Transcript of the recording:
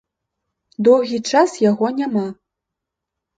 Доўгі час яго няма.